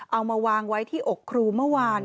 เอามาวางไว้ที่อกครูเมื่อวาน